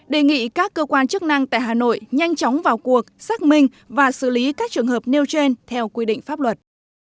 đề nghị các cơ quan chức năng tại hà nội nhanh chóng vào cuộc xác minh và xử lý các trường hợp nêu trên theo quy định pháp luật